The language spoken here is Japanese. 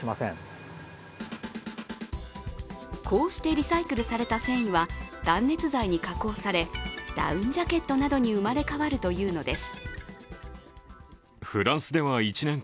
こうしてリサイクルされた繊維は断熱材に加工されダウンジャケットなどに生まれ変わるというのです。